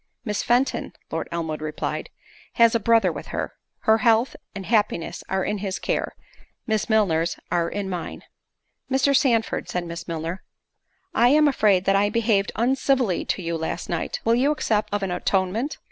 "Miss Fenton," Lord Elmwood replied, "has a brother with her: her health and happiness are in his care—Miss Milner's are in mine." "Mr. Sandford," said Miss Milner, "I am afraid that I behaved uncivilly to you last night—will you accept of an atonement?"